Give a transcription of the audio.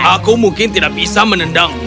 aku mungkin tidak bisa menendangmu